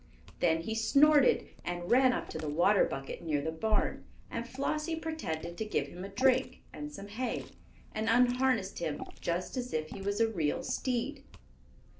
Then he snorted and ran up to the water bucket near the barn and Flossie pretended to give him a drink and some hay, and unharnessed him just as if he was a real steed.